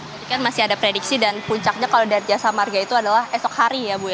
jadi kan masih ada prediksi dan puncaknya kalau dari jasa marga itu adalah esok hari ya bu ya